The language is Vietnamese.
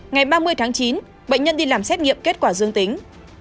ngày ba mươi tháng chín bệnh nhân đi làm xét nghiệm kết quả dương tính